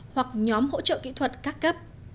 hoặc nhóm hỗ trợ kỹ thuật các cấp